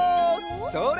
それ！